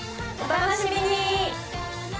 お楽しみに！